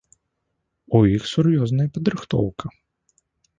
У іх сур'ёзная падрыхтоўка.